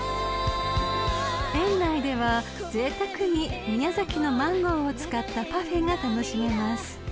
［園内ではぜいたくに宮崎のマンゴーを使ったパフェが楽しめます］